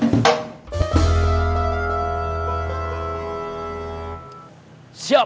baru nanti saya turun